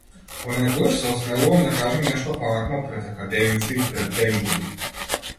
Понекогаш се осмелувам да кажам нешто паметно пред академици и пред денгуби.